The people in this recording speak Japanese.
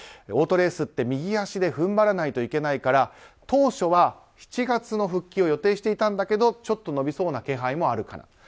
オートレースって右足で踏ん張らないといけないから当初は７月の復帰を予定していたんだけどちょっと延びそうな気配もあるかな。